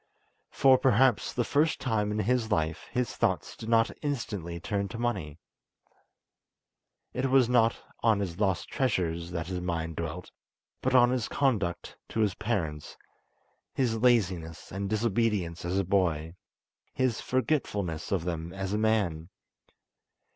For perhaps the first time in his life his thoughts did not instantly turn to money. It was not on his lost treasures that his mind dwelt, but on his conduct to his parents: his laziness and disobedience as a boy; his forgetfulness of them as a man.